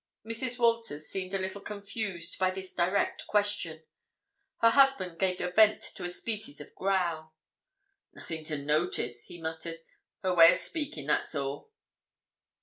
Mrs. Walters seemed a little confused by this direct question. Her husband gave vent to a species of growl. "Nothing to notice," he muttered. "Her way of speaking—that's all."